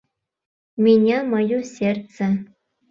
Меня мое сердце